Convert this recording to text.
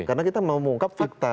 karena kita mengungkap fakta